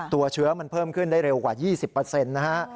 ตัวเชื้อมันเพิ่มขึ้นได้เร็วกว่า๒๐นะฮะ